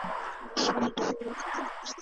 د بنگړو په شرنگهار کې يې ويده کړم